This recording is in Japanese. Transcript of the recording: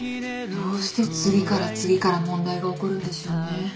どうして次から次から問題が起こるんでしょうね。